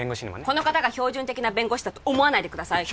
この方が標準的な弁護士だと思わないでください